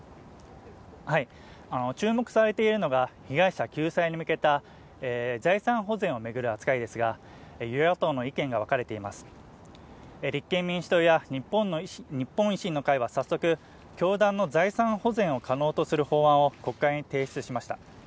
注目されているのが被害者救済に向けた財産保全をめぐる扱いですが与野党の意見が分かれています立憲民主党や日本維新の会は早速教団の財産保全を可能とする法案を国会に提出しました